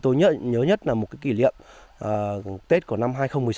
tôi nhớ nhất là một kỷ niệm tết của năm hai nghìn một mươi sáu